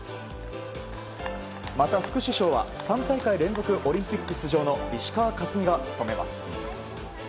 また副主将は３大会連続オリンピック出場の石川佳純が務めます。